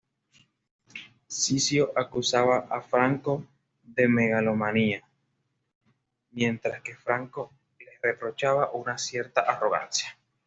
Ciccio acusaba a Franco de megalomanía, mientras que Franco le reprochaba una cierta arrogancia.